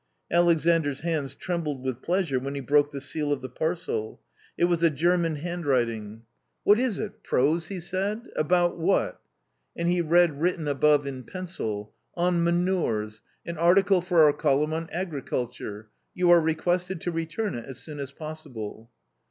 Alexandr's hands trembled with pleasure when he broke the seal of the parcel. It was a German hand writing. 62 A COMMON STORY " What is it — prose ?" he said, " about what ?" And he read written above in pencil. " On manures, an article for our column on agriculture. You are requested to return it as soon as possible."